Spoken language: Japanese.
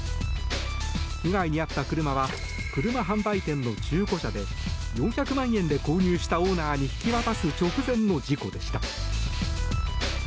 被害に遭った車は車販売店の中古車で４００万円で購入したオーナーに引き渡す直前の事故でした。